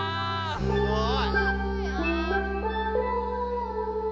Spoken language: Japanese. すごい！